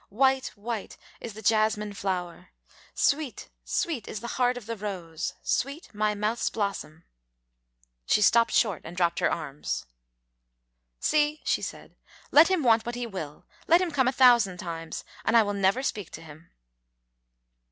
White, white is the jasmine flower, Sweet, sweet is the heart of the rose, Sweet my mouth's blossom " She stopped short and dropped her arms. "See," she said, "let him want what he will, let him come a thousand times, and I will never speak to him."